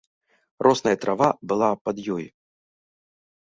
Росная трава была пад ёю.